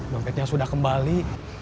dompetnya sudah kembali